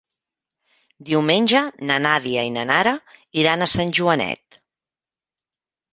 Diumenge na Nàdia i na Nara iran a Sant Joanet.